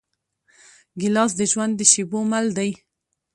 ګیلاس د ژوند د شېبو مل دی.